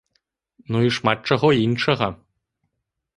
Ну і шмат чаго іншага.